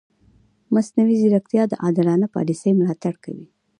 مصنوعي ځیرکتیا د عادلانه پالیسي ملاتړ کوي.